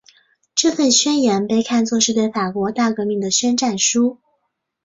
这份宣言被看作是对法国大革命的宣战书。